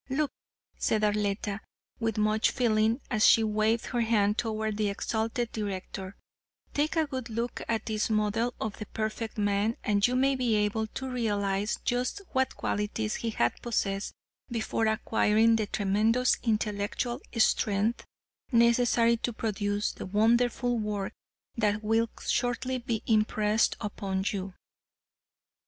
Look," said Arletta, with much feeling as she waved her hand toward the exalted director, "take a good look at this model of a perfect man and you may be able to realize just what qualities he had to possess before acquiring the tremendous intellectual strength necessary to produce the wonderful work that will shortly be impressed upon you.